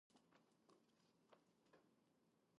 Loder then entered the House of Lords.